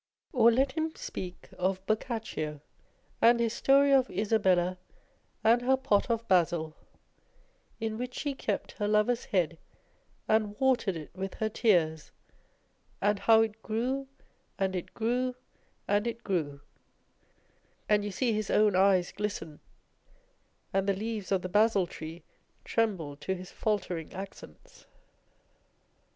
Or let him speak of Boccaccio and his story of Isabella and her pot of basil, in which she kept her lover's head and watered it with her tears, " and how it grew, and it grew, and it grew," and you see his own eyes glisten, and the leaves of the basil tree tremble to his faltering accents